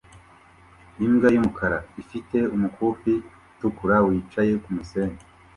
Imbwa yumukara ifite umukufi utukura wicaye kumusenyi